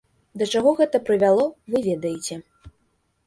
Да чаго гэта прывяло, вы ведаеце.